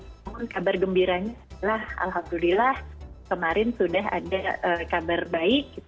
namun kabar gembiranya adalah alhamdulillah kemarin sudah ada kabar baik